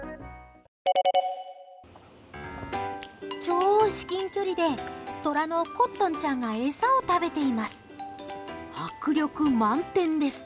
超至近距離でトラのコットンちゃんが餌を食べています。